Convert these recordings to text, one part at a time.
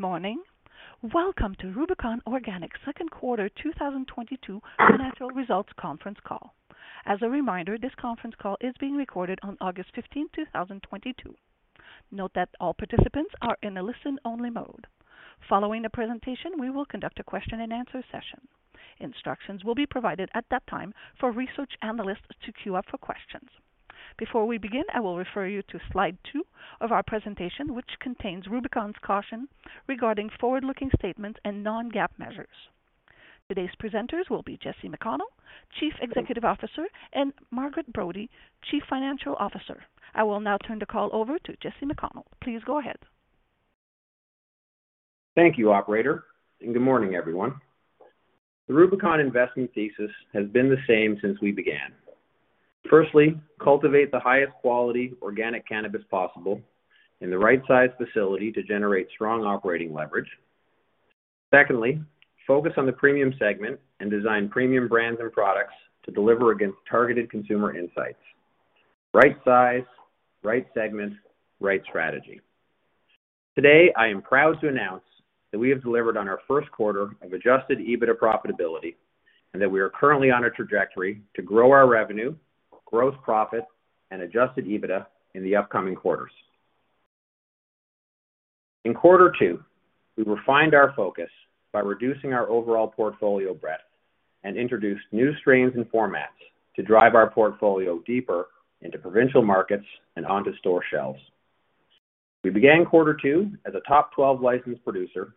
Good morning. Welcome to Rubicon Organics Q2 2022 financial results conference call. As a reminder, this conference call is being recorded on August 15, 2022. Note that all participants are in a listen-only mode. Following the presentation, we will conduct a Q&A session. Instructions will be provided at that time for research analysts to queue up for questions. Before we begin, I will refer you to slide two of our presentation, which contains Rubicon Organics's caution regarding forward-looking statements and non-GAAP measures. Today's presenters will be Jesse McConnell, Chief Executive Officer, and Margaret Brodie, Chief Financial Officer. I will now turn the call over to Jesse McConnell. Please go ahead. Thank you, operator, and good morning, everyone. The Rubicon Organics investment thesis has been the same since we began. Firstly, cultivate the highest quality organic cannabis possible in the right size facility to generate strong operating leverage. Secondly, focus on the premium segment and design premium brands and products to deliver against targeted consumer insights. Right size, right segment, right strategy. Today, I am proud to announce that we have delivered on our Q1 of Adjusted EBITDA profitability and that we are currently on a trajectory to grow our revenue, gross profit, and Adjusted EBITDA in the upcoming quarters. In Q2, we refined our focus by reducing our overall portfolio breadth and introduced new strains and formats to drive our portfolio deeper into provincial markets and onto store shelves. We began Q2 as a top 12 licensed producer,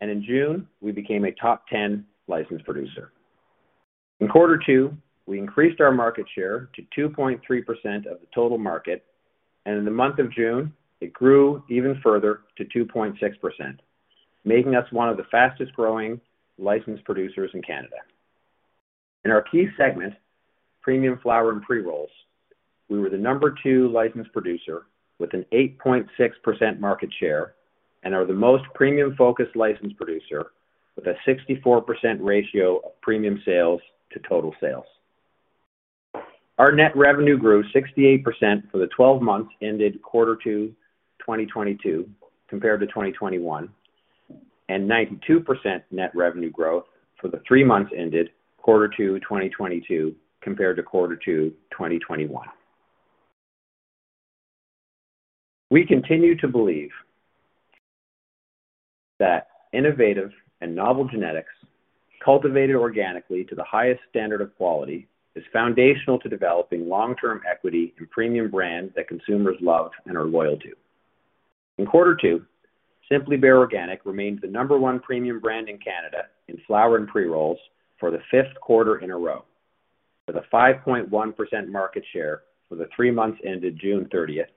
and in June, we became a top 10 licensed producer. In Q2, we increased our market share to 2.3% of the total market, and in the month of June, it grew even further to 2.6%, making us one of the fastest-growing licensed producers in Canada. In our key segment, premium flower and pre-rolls, we were the No. 2 licensed producer with an 8.6% market share and are the most premium-focused licensed producer with a 64% ratio of premium sales to total sales. Our net revenue grew 68% for the 12 months ended Q2, 2022 compared to 2021, and 92% net revenue growth for the three months ended Q2, 2022 compared to Q2, 2021. We continue to believe that innovative and novel genetics cultivated organically to the highest standard of quality is foundational to developing long-term equity and premium brand that consumers love and are loyal to. In Q2, Simply Bare Organic remains the number one premium brand in Canada in flower and pre-rolls for the fifth quarter in a row, with a 5.1% market share for the three months ended June thirtieth,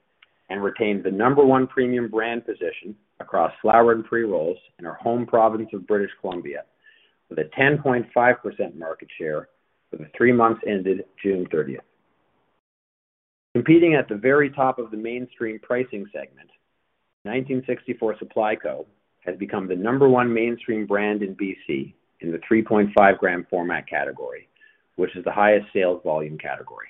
and retained the number one premium brand position across flower and pre-rolls in our home province of British Columbia, with a 10.5% market share for the three months ended June thirtieth. Competing at the very top of the mainstream pricing segment, 1964 Supply Co. has become the number one mainstream brand in BC in the 3.5 g format category, which is the highest sales volume category.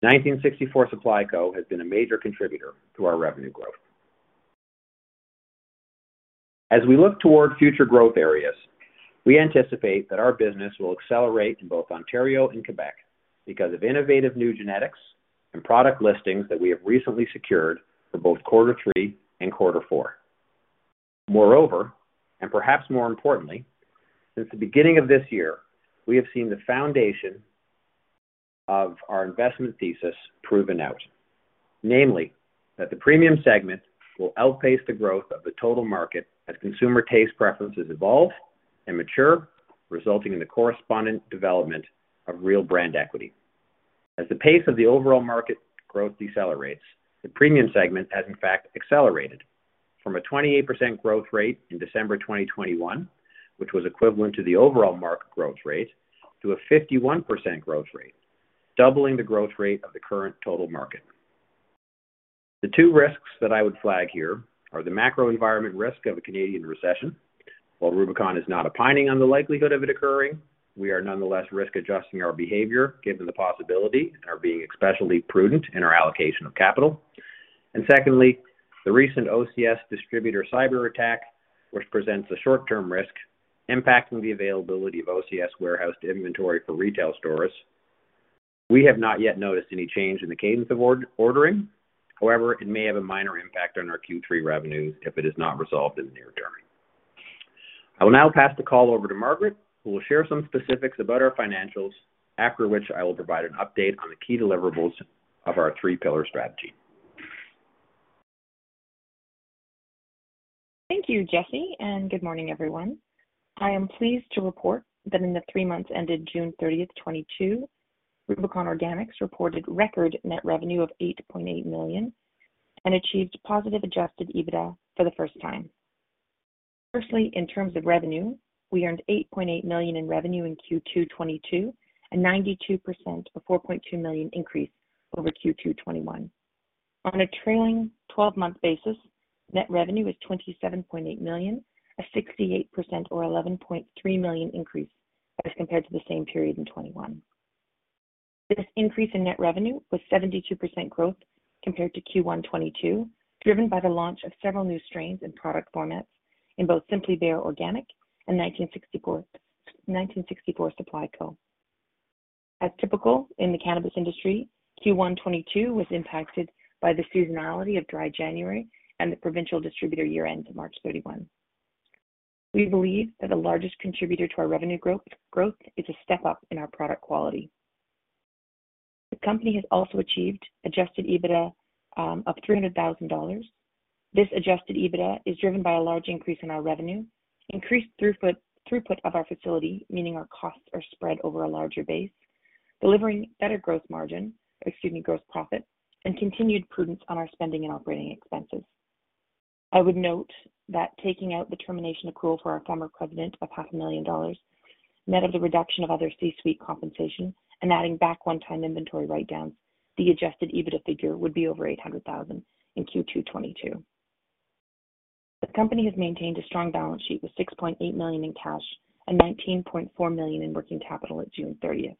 1964 Supply Co. has been a major contributor to our revenue growth. As we look toward future growth areas, we anticipate that our business will accelerate in both Ontario and Quebec because of innovative new genetics and product listings that we have recently secured for both quarter three and quarter four. Moreover, and perhaps more importantly, since the beginning of this year, we have seen the foundation of our investment thesis proven out, namely that the premium segment will outpace the growth of the total market as consumer taste preferences evolve and mature, resulting in the correspondent development of real brand equity. As the pace of the overall market growth decelerates, the premium segment has in fact accelerated from a 28% growth rate in December 2021, which was equivalent to the overall market growth rate, to a 51% growth rate, doubling the growth rate of the current total market. The two risks that I would flag here are the macro environment risk of a Canadian recession. While Rubicon is not opining on the likelihood of it occurring, we are nonetheless risk adjusting our behavior given the possibility and are being especially prudent in our allocation of capital. Secondly, the recent OCS distributor cyberattack, which presents a short-term risk impacting the availability of OCS warehoused inventory for retail stores. We have not yet noticed any change in the cadence of ordering. However, it may have a minor impact on our Q3 revenues if it is not resolved in the near term. I will now pass the call over to Margaret, who will share some specifics about our financials, after which I will provide an update on the key deliverables of our three pillar strategy. Thank you, Jesse, and good morning, everyone. I am pleased to report that in the three months ended June 30, 2022, Rubicon Organics reported record net revenue of 8.8 million and achieved positive Adjusted EBITDA for the first time. Firstly, in terms of revenue, we earned 8.8 million in revenue in Q2 2022, a 92% or CAD 4.2 million increase over Q2 2021. On a trailing twelve-month basis, net revenue was 27.8 million, a 68% or 11.3 million increase as compared to the same period in 2021. This increase in net revenue was 72% growth compared to Q1 2022, driven by the launch of several new strains and product formats in both Simply Bare Organic and 1964 Supply Co. As is typical in the cannabis industry, Q1 2022 was impacted by the seasonality of Dry January and the provincial distributor year-end to March 31. We believe that the largest contributor to our revenue growth is a step-up in our product quality. The company has also achieved Adjusted EBITDA of 300,000 dollars. This Adjusted EBITDA is driven by a large increase in our revenue, increased throughput of our facility, meaning our costs are spread over a larger base, delivering better gross profit, and continued prudence on our spending and operating expenses. I would note that taking out the termination accrual for our former president of CAD half a million dollars, net of the reduction of other C-suite compensation and adding back one-time inventory write-downs, the Adjusted EBITDA figure would be over 800,000 in Q2 2022. The company has maintained a strong balance sheet with 6.8 million in cash and 19.4 million in working capital at June 30.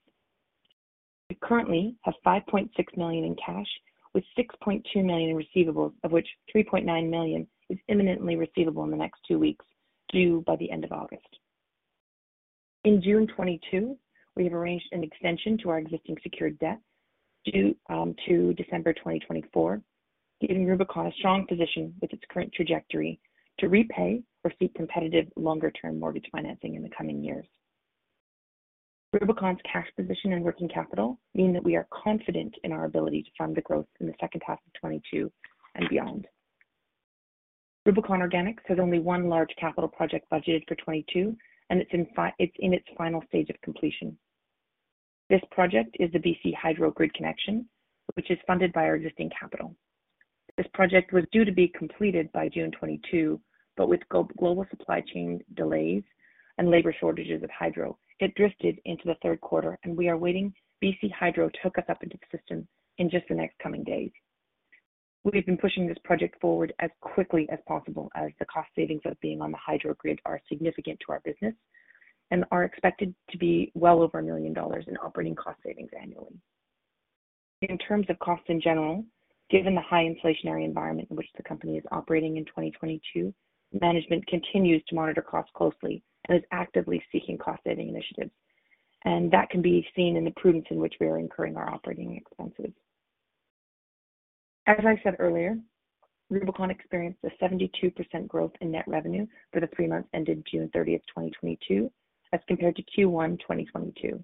We currently have 5.6 million in cash with 6.2 million in receivables, of which 3.9 million is imminently receivable in the next two weeks, due by the end of August. In June 2022, we have arranged an extension to our existing secured debt due to December 2024, giving Rubicon a strong position with its current trajectory to repay or seek competitive longer-term mortgage financing in the coming years. Rubicon's cash position and working capital mean that we are confident in our ability to fund the growth in the H2 of 2022 and beyond. Rubicon Organics has only one large capital project budgeted for 2022, and it's in its final stage of completion. This project is the BC Hydro grid connection, which is funded by our existing capital. This project was due to be completed by June 2022, but with global supply chain delays and labor shortages of Hydro, it drifted into the Q3, and we are waiting BC Hydro to hook us up into the system in just the next coming days. We have been pushing this project forward as quickly as possible as the cost savings of being on the Hydro grid are significant to our business and are expected to be well over 1 million dollars in operating cost savings annually. In terms of costs in general, given the high inflationary environment in which the company is operating in 2022, management continues to monitor costs closely and is actively seeking cost-saving initiatives. That can be seen in the prudence in which we are incurring our operating expenses. As I said earlier, Rubicon experienced a 72% growth in net revenue for the three months ended June 30, 2022,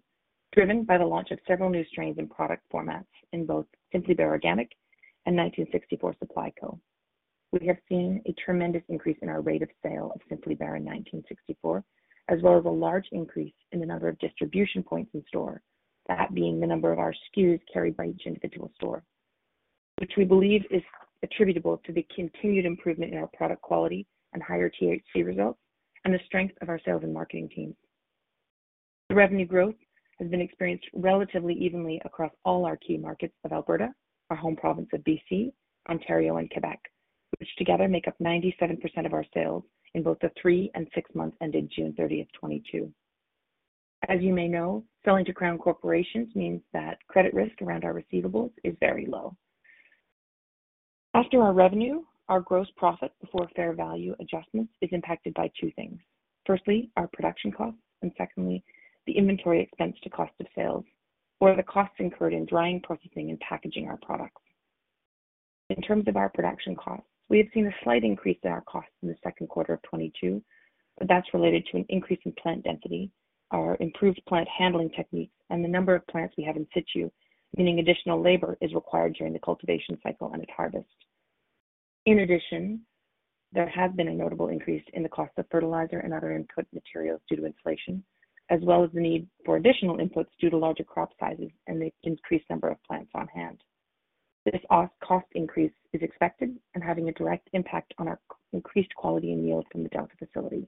driven by the launch of several new strains in product formats in both Simply Bare Organic and 1964 Supply Co. We have seen a tremendous increase in our rate of sale of Simply Bare and 1964, as well as a large increase in the number of distribution points in store, that being the number of our SKUs carried by each individual store, which we believe is attributable to the continued improvement in our product quality and higher THC results and the strength of our sales and marketing teams. The revenue growth has been experienced relatively evenly across all our key markets of Alberta, our home province of BC, Ontario, and Quebec, which together make up 97% of our sales in both the three and six months ended June 30th, 2022. As you may know, selling to Crown corporations means that credit risk around our receivables is very low. After our revenue, our gross profit before fair value adjustments is impacted by two things. Firstly, our production costs, and secondly, the inventory expense to cost of sales, or the costs incurred in drying, processing, and packaging our products. In terms of our production costs, we have seen a slight increase in our costs in the Q2 of 2022, but that's related to an increase in plant density, our improved plant handling techniques, and the number of plants we have in situ, meaning additional labor is required during the cultivation cycle and its harvest. In addition, there has been a notable increase in the cost of fertilizer and other input materials due to inflation, as well as the need for additional inputs due to larger crop sizes and the increased number of plants on-hand. This cost increase is expected and having a direct impact on our increased quality and yield from the Delta facility.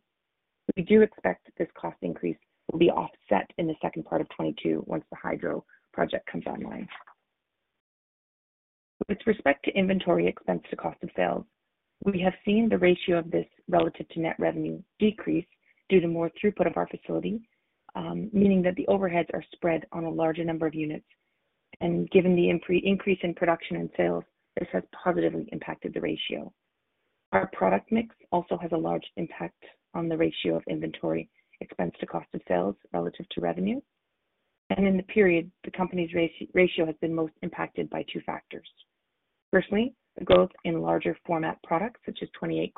We do expect this cost increase will be offset in the second part of 2022 once the Hydro project comes online. With respect to inventory expense to cost of sales, we have seen the ratio of this relative to net revenue decrease due to more throughput of our facility, meaning that the overheads are spread on a larger number of units. Given the increase in production and sales, this has positively impacted the ratio. Our product mix also has a large impact on the ratio of inventory expense to cost of sales relative to revenue. In the period, the company's ratio has been most impacted by two factors. Firstly, the growth in larger format products, such as 28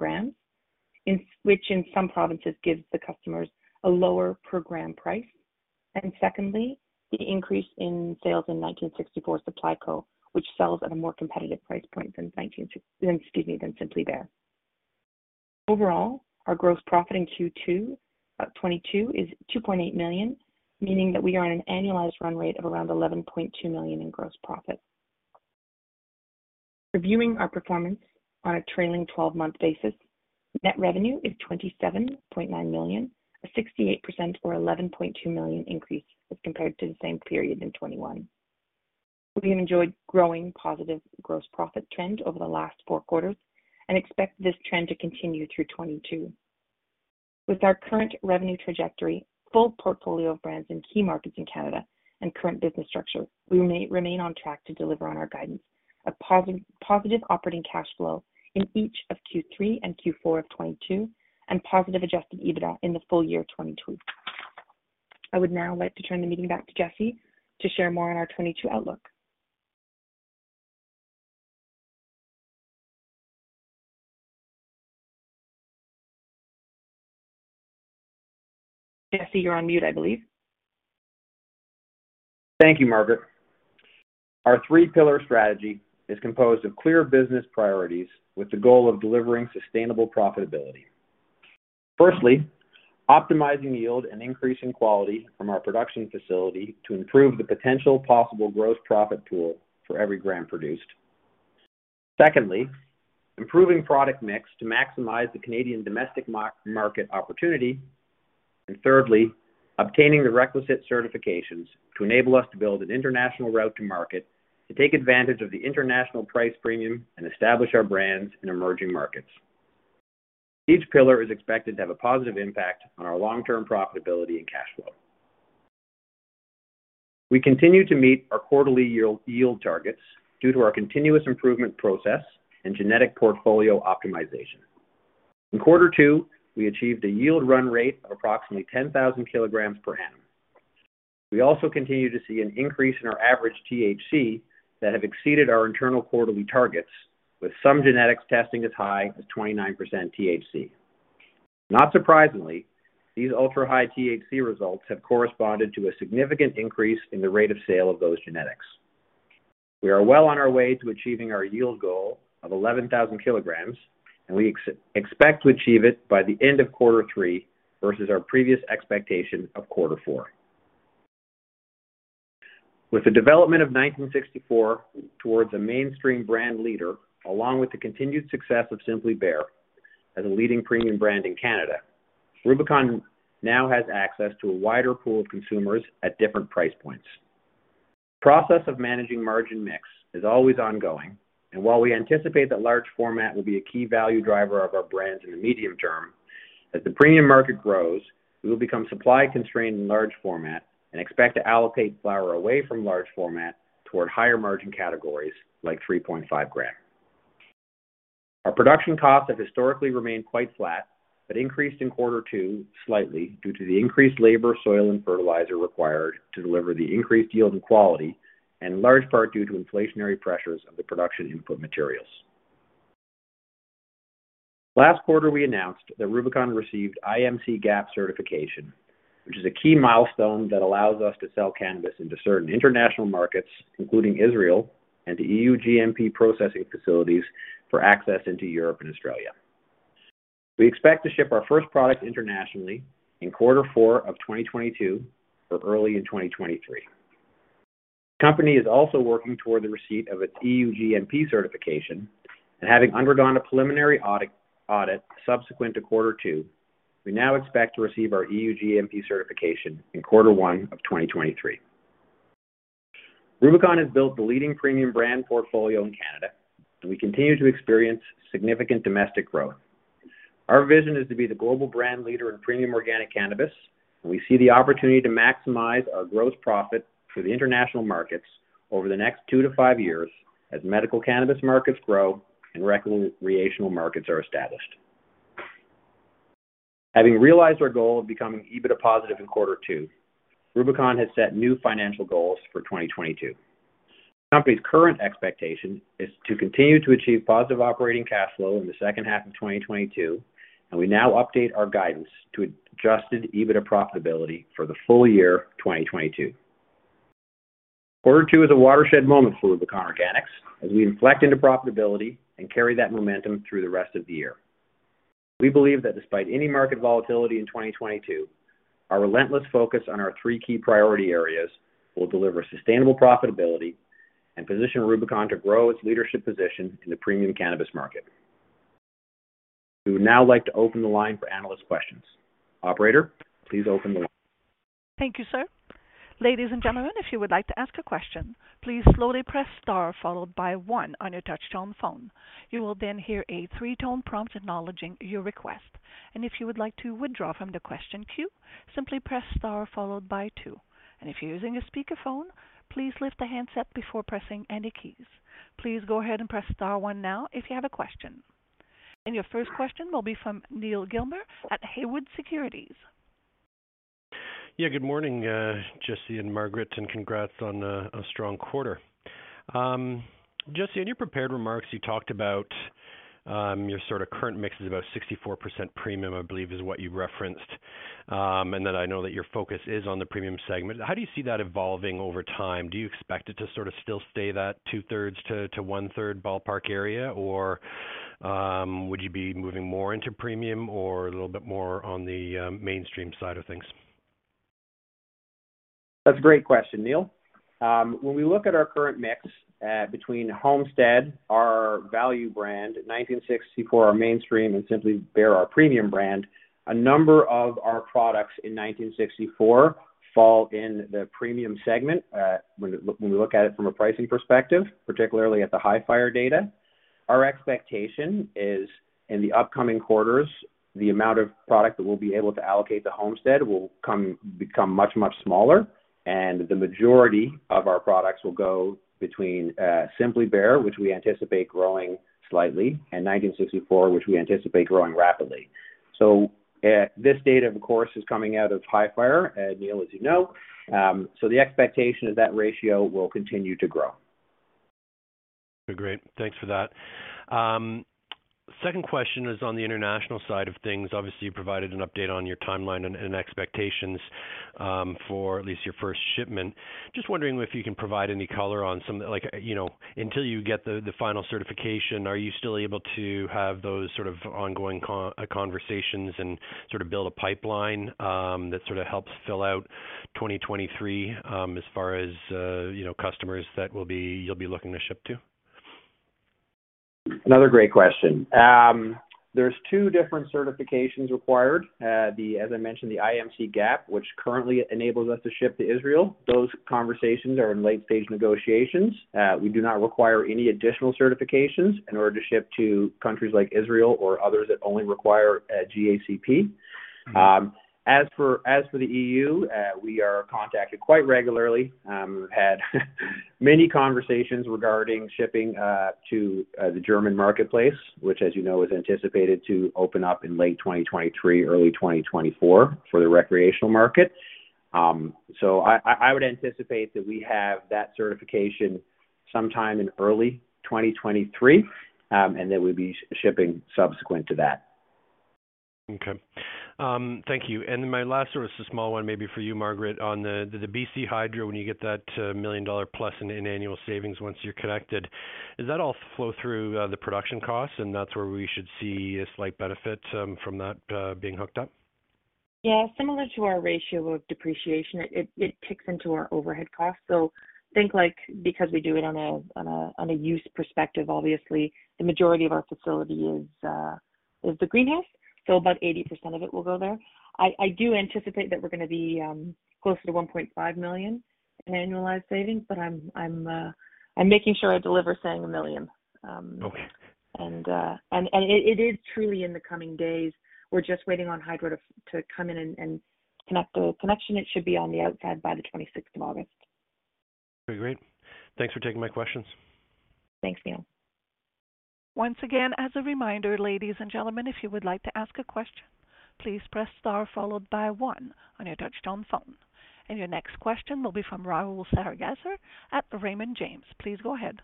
g, which in some provinces gives the customers a lower per-gram price. Secondly, the increase in sales in 1964 Supply Co., which sells at a more competitive price point than Simply Bare. Overall, our gross profit in Q2 2022 is 2.8 million, meaning that we are on an annualized run rate of around 11.2 million in gross profit. Reviewing our performance on a trailing twelve-month basis, net revenue is 27.9 million, a 68% or 11.2 million increase as compared to the same period in 2021. We have enjoyed growing positive gross profit trend over the last four quarters and expect this trend to continue through 2022. With our current revenue trajectory, full portfolio of brands in key markets in Canada and current business structure, we may remain on track to deliver on our guidance. A positive operating cash flow in each of Q3 and Q4 of 2022 and positive adjusted EBITDA in the full year of 2022. I would now like to turn the meeting back to Jesse to share more on our 2022 outlook. Jesse, you're on mute, I believe. Thank you, Margaret. Our three pillar strategy is composed of clear business priorities with the goal of delivering sustainable profitability. Firstly, optimizing yield and increasing quality from our production facility to improve the potential possible gross profit pool for every gram produced. Secondly, improving product mix to maximize the Canadian domestic market opportunity. Thirdly, obtaining the requisite certifications to enable us to build an international route to market, to take advantage of the international price premium and establish our brands in emerging markets. Each pillar is expected to have a positive impact on our long-term profitability and cash flow. We continue to meet our quarterly yield targets due to our continuous improvement process and genetic portfolio optimization. In Q2, we achieved a yield run rate of approximately 10,000 kg per annum. We also continue to see an increase in our average THC that have exceeded our internal quarterly targets, with some genetics testing as high as 29% THC. Not surprisingly, these ultra-high THC results have corresponded to a significant increase in the rate of sale of those genetics. We are well on our way to achieving our yield goal of 11,000 kg, and we expect to achieve it by the end of quarter three versus our previous expectation of quarter four. With the development of 1964 towards a mainstream brand leader, along with the continued success of Simply Bare as a leading premium brand in Canada, Rubicon now has access to a wider pool of consumers at different price points. The process of managing margin mix is always ongoing, and while we anticipate that large format will be a key value driver of our brands in the medium term, as the premium market grows, we will become supply constrained in large format and expect to allocate flower away from large format toward higher margin categories like 3.5 g. Our production costs have historically remained quite flat, but increased in Q2 slightly due to the increased labor, soil and fertilizer required to deliver the increased yield and quality, and in large part due to inflationary pressures of the production input materials. Last quarter we announced that Rubicon received IMC-GAP certification, which is a key milestone that allows us to sell cannabis into certain international markets, including Israel and to EU GMP processing facilities for access into Europe and Australia. We expect to ship our first product internationally in Q4 of 2022 or early in 2023. The company is also working toward the receipt of its EU GMP certification and having undergone a preliminary audit subsequent to Q2, we now expect to receive our EU GMP certification in Q1 of 2023. Rubicon has built the leading premium brand portfolio in Canada, and we continue to experience significant domestic growth. Our vision is to be the global brand leader in premium organic cannabis, and we see the opportunity to maximize our gross profit through the international markets over the next two-five years as medical cannabis markets grow and recreational markets are established. Having realized our goal of becoming EBITDA positive in Q2, Rubicon has set new financial goals for 2022. The company's current expectation is to continue to achieve positive operating cash flow in the H2 of 2022, and we now update our guidance to Adjusted EBITDA profitability for the full year 2022. Q2 is a watershed moment for Rubicon Organics as we inflect into profitability and carry that momentum through the rest of the year. We believe that despite any market volatility in 2022, our relentless focus on our three key priority areas will deliver sustainable profitability and position Rubicon to grow its leadership position in the premium cannabis market. We would now like to open the line for analyst questions. Operator, please open the line. Thank you, sir. Ladies and gentlemen, if you would like to ask a question, please slowly press Star followed by one on your touchtone phone. You will then hear a three-tone prompt acknowledging your request. If you would like to withdraw from the question queue, simply press Star followed by two. If you're using a speakerphone, please lift the handset before pressing any keys. Please go ahead and press Star one now if you have a question. Your first question will be from Neal Gilmer at Haywood Securities. Yeah. Good morning, Jesse and Margaret, and congrats on a strong quarter. Jesse, in your prepared remarks, you talked about your sort of current mix is about 64% premium, I believe is what you referenced, and that I know that your focus is on the premium segment. How do you see that evolving over time? Do you expect it to sort of still stay that 2/3-1/3 ballpark area? Or, would you be moving more into premium or a little bit more on the mainstream side of things? That's a great question, Neil. When we look at our current mix between Homestead, our value brand, 1964, our mainstream, and Simply Bare, our premium brand, a number of our products in 1964 fall in the premium segment when we look at it from a pricing perspective, particularly at the Hifyre data. Our expectation is in the upcoming quarters, the amount of product that we'll be able to allocate to Homestead will become much smaller, and the majority of our products will go between Simply Bare, which we anticipate growing slightly, and 1964, which we anticipate growing rapidly. This data, of course, is coming out of Hifyre, as Neil, as you know. The expectation is that ratio will continue to grow. Great. Thanks for that. Second question is on the international side of things. Obviously, you provided an update on your timeline and expectations for at least your first shipment. Just wondering if you can provide any color on some, like, you know, until you get the final certification, are you still able to have those sort of ongoing conversations and sort of build a pipeline that sort of helps fill out 2023, as far as, you know, customers you'll be looking to ship to? Another great question. There's two different certifications required. As I mentioned, the IMC-GAP, which currently enables us to ship to Israel. Those conversations are in late-stage negotiations. We do not require any additional certifications in order to ship to countries like Israel or others that only require a GACP. As for the EU, we are contacted quite regularly. Had many conversations regarding shipping to the German marketplace, which, as you know, is anticipated to open up in late 2023, early 2024 for the recreational market. I would anticipate that we have that certification sometime in early 2023, and then we'd be shipping subsequent to that. Okay. Thank you. My last one is a small one maybe for you, Margaret. On the BC Hydro, when you get that to 1 million dollar plus in annual savings once you're connected, does that all flow through the production costs, and that's where we should see a slight benefit from that being hooked up? Yeah. Similar to our ratio of depreciation, it ticks into our overhead costs. I think, like, because we do it on a usage perspective, obviously the majority of our facility is the greenhouse, so about 80% of it will go there. I do anticipate that we're gonna be closer to 1.5 million in annualized savings, but I'm making sure I deliver saying 1 million. Okay. It is truly in the coming days. We're just waiting on BC Hydro to come in and connect the connection. It should be on the outside by the 26th of August. Very great. Thanks for taking my questions. Thanks, Neal. Once again, as a reminder, ladies and gentlemen, if you would like to ask a question, please press Star followed by one on your touchtone phone. Your next question will be from Rahul Sarugaser at Raymond James. Please go ahead.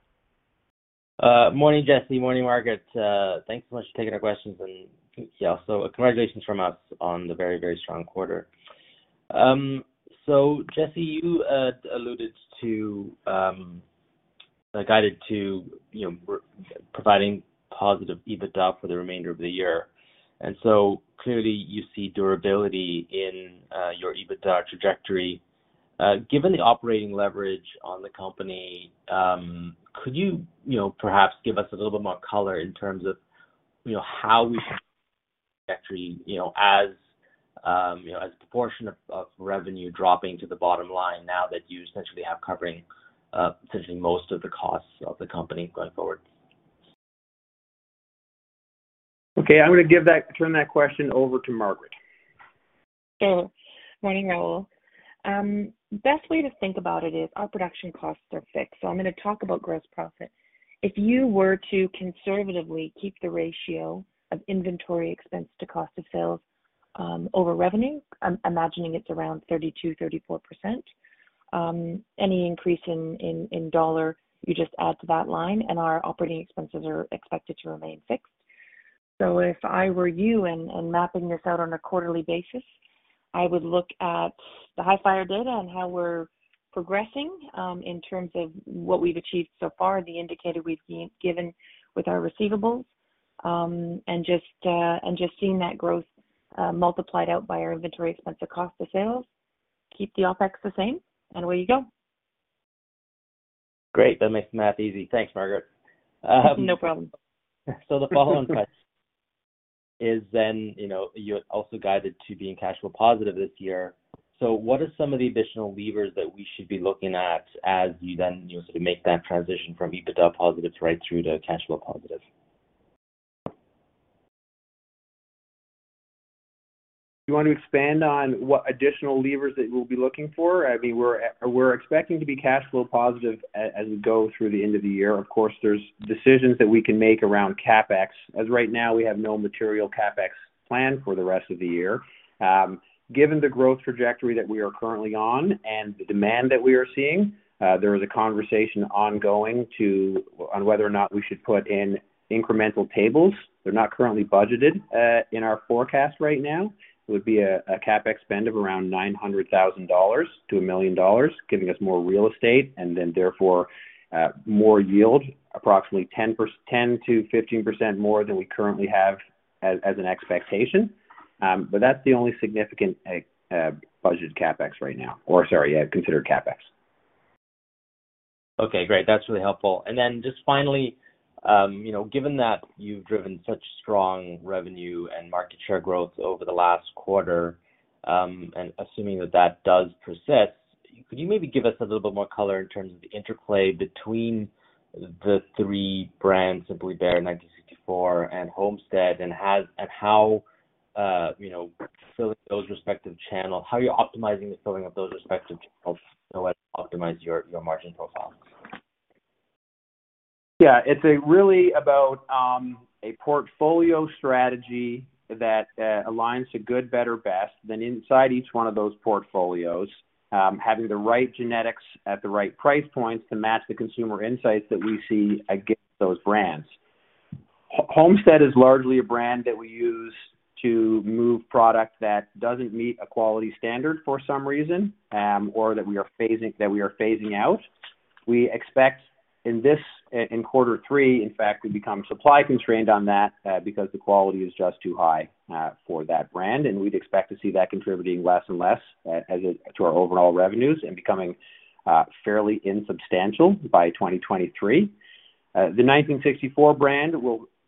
Morning, Jesse. Morning, Margaret. Thanks so much for taking our questions, and yeah. Congratulations from us on the very, very strong quarter. Jesse, you alluded to, like, guidance to, you know, providing positive EBITDA for the remainder of the year. Clearly you see durability in your EBITDA trajectory. Given the operating leverage on the company, could you know, perhaps give us a little bit more color in terms of, you know, how we actually, you know, as, you know, as a proportion of revenue dropping to the bottom line now that you essentially have covering potentially most of the costs of the company going forward? Okay. I'm gonna turn that question over to Margaret. Morning, Rahul. Best way to think about it is our production costs are fixed, so I'm going to talk about gross profit. If you were to conservatively keep the ratio of inventory expense to cost of sales over revenue, I'm imagining it's around 32%-34%. Any increase in dollars, you just add to that line, and our operating expenses are expected to remain fixed. If I were you and mapping this out on a quarterly basis, I would look at the Hifyre data on how we're progressing in terms of what we've achieved so far, the indicator we've given with our receivables, and just seeing that growth multiplied out by our inventory expense or cost of sales. Keep the OpEx the same, and away you go. Great. That makes the math easy. Thanks, Margaret. No problem. The follow-on question is then, you know, you also guided to being cash flow positive this year. What are some of the additional levers that we should be looking at as you then, you know, sort of make that transition from EBITDA positive right through to cash flow positive? You want me to expand on what additional levers that you'll be looking for? I mean, we're expecting to be cash flow positive as we go through the end of the year. Of course, there are decisions that we can make around CapEx, as right now we have no material CapEx plan for the rest of the year. Given the growth trajectory that we are currently on and the demand that we are seeing, there is a conversation ongoing on whether or not we should put in incremental tables. They're not currently budgeted in our forecast right now. It would be a CapEx spend of around 900,000-1 million dollars, giving us more real estate and then therefore more yield, approximately 10%-15% more than we currently have as an expectation. That's the only significant considered CapEx. Okay, great. That's really helpful. Just finally, you know, given that you've driven such strong revenue and market share growth over the last quarter, and assuming that does persist. Could you maybe give us a little bit more color in terms of the interplay between the three brands, Simply Bare, 1964 and Homestead, and how, you know, filling those respective channels, how you're optimizing the filling of those respective channels to optimize your margin profile? Yeah. It's really about a portfolio strategy that aligns to good, better, best. Inside each one of those portfolios, having the right genetics at the right price points to match the consumer insights that we see against those brands. Homestead is largely a brand that we use to move product that doesn't meet a quality standard for some reason, or that we are phasing out. We expect this in quarter three. In fact, we become supply constrained on that because the quality is just too high for that brand, and we'd expect to see that contributing less and less to our overall revenues and becoming fairly insubstantial by 2023. The 1964 brand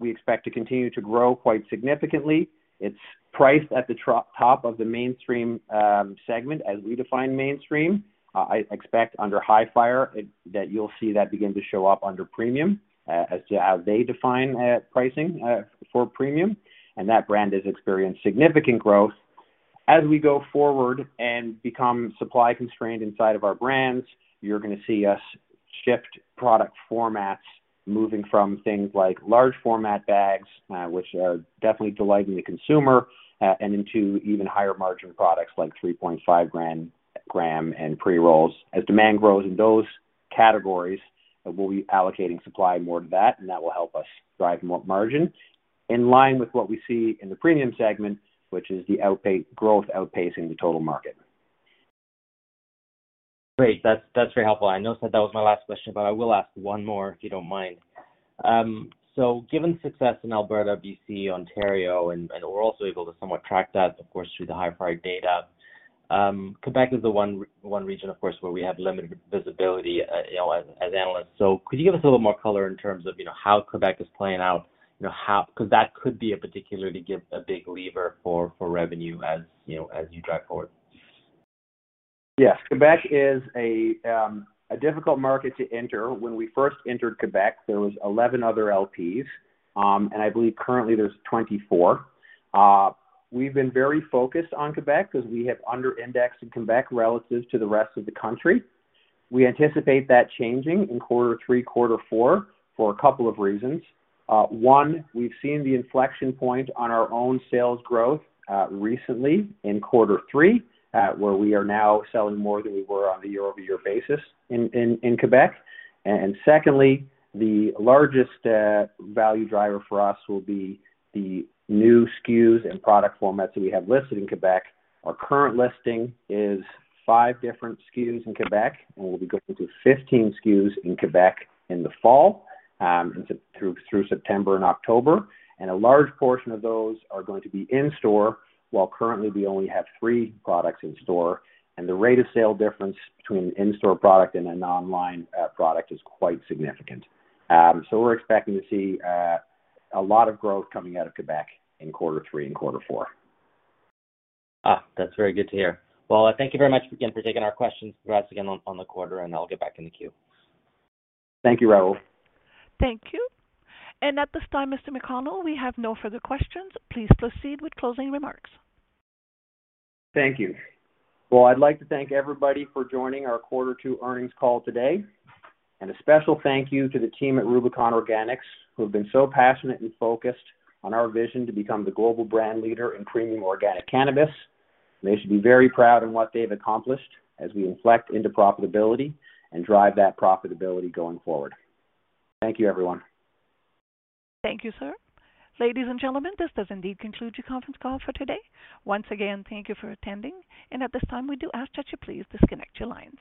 we expect to continue to grow quite significantly. It's priced at the top of the mainstream segment, as we define mainstream. I expect under Hifyre that you'll see that begin to show up under premium, as to how they define pricing for premium. That brand has experienced significant growth. As we go forward and become supply constrained inside of our brands, you're gonna see us shift product formats, moving from things like large format bags, which are definitely delighting the consumer, and into even higher margin products like 3.5 g and pre-rolls. As demand grows in those categories, we'll be allocating supply more to that, and that will help us drive more margin in line with what we see in the premium segment, which is the growth outpacing the total market. Great. That's very helpful. I know I said that was my last question, but I will ask one more, if you don't mind. Given success in Alberta, BC, Ontario, and we're also able to somewhat track that, of course, through the Hifyre data. Quebec is the one region, of course, where we have limited visibility, you know, as analysts. Could you give us a little more color in terms of, you know, how Quebec is playing out? You know, 'Cause that could be a particularly a big lever for revenue, as you know, as you drive forward. Yes. Quebec is a difficult market to enter. When we first entered Quebec, there was 11 other LPs. I believe currently there's 24. We've been very focused on Quebec as we have under indexed in Quebec relative to the rest of the country. We anticipate that changing in quarter three, quarter four for a couple of reasons. One, we've seen the inflection point on our own sales growth recently in quarter three, where we are now selling more than we were on a year-over-year basis in Quebec. Secondly, the largest value driver for us will be the new SKUs and product formats that we have listed in Quebec. Our current listing is 5 different SKUs in Quebec, and we'll be going to 15 SKUs in Quebec in the fall, through September and October. A large portion of those are going to be in-store, while currently we only have three products in-store. The rate of sale difference between an in-store product and an online product is quite significant. We're expecting to see a lot of growth coming out of Quebec in quarter three and quarter four. That's very good to hear. Well, thank you very much again for taking our questions for us again on the quarter, and I'll get back in the queue. Thank you, Rahul. Thank you. At this time, Mr. McConnell, we have no further questions. Please proceed with closing remarks. Thank you. Well, I'd like to thank everybody for joining our Q2 earnings call today. A special thank you to the team at Rubicon Organics, who've been so passionate and focused on our vision to become the global brand leader in premium organic cannabis. They should be very proud in what they've accomplished as we inflect into profitability and drive that profitability going forward. Thank you, everyone. Thank you, sir. Ladies and gentlemen, this does indeed conclude your conference call for today. Once again, thank you for attending. At this time, we do ask that you please disconnect your lines.